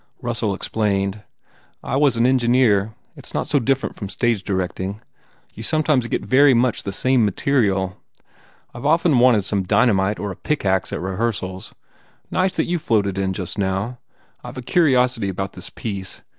Russell explained, "I was an engineer. It s not so different from stage direct ing. You sometimes get very much the same material. I ve often wanted some dynamite or a pickax at rehearsals. Nice that you floated in just now. I ve a curiosity about this piece.